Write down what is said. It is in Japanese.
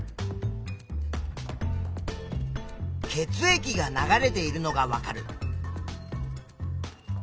血液が流れているのがわかる。